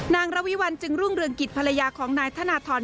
ระวิวัลจึงรุ่งเรืองกิจภรรยาของนายธนทร